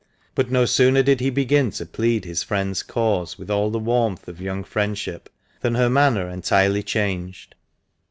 But no sooner did he begin to plead his friend's cause with all the warmth of young friendship, than her manner entirely changed.